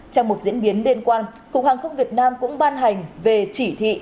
trong một diễn biến liên quan cục hàng không việt nam cũng ban hành về chỉ thị